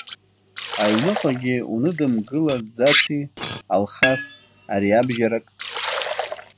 Аҩныҟагьы уныдымгылаӡаци, Алхас, ариабжьарак?